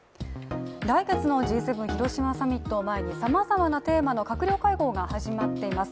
来月のＧ７広島サミットを前にさまざまなテーマの閣僚会合が始まっています。